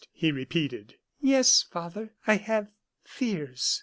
he repeated. "Yes, father. I have fears."